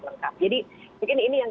lengkap jadi mungkin ini yang